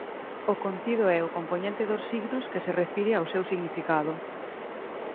O contido é o compoñente dos signos que se refire ao seu significado.